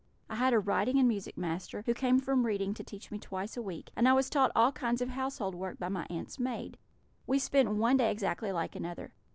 I had a writing and music master, who came from Reading to teach me twice a week; and I was taught all kinds of household work by my aunts' maid. We spent one day exactly like another.